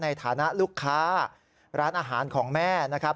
ในฐานะลูกค้าร้านอาหารของแม่นะครับ